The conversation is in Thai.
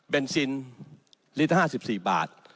ซินลิตร๕๔บาท